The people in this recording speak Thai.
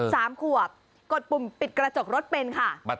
สามขวบกดปุ่มปิดกระจกรถเป็นค่ะ